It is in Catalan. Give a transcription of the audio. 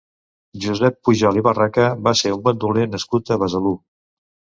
Josep Pujol i Barraca va ser un bandoler nascut a Besalú.